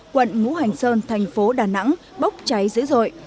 quận ngũ hành sơn thành phố đà nẵng bốc cháy dữ dội